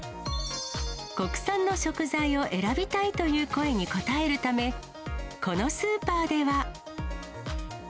国産の食材を選びたいという声に応えるため、このスーパーでは。